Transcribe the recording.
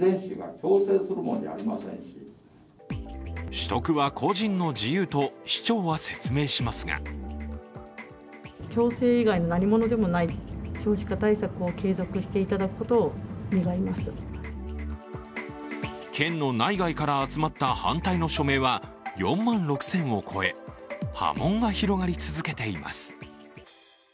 取得は個人の自由と市長は説明しますが県の内外から集まった反対の署名は４万６０００を超え、波紋が広がり続けています。